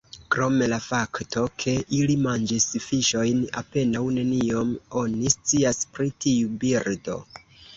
Krom la fakto ke ili manĝis fiŝojn, apenaŭ neniom oni scias pri tiu birdo.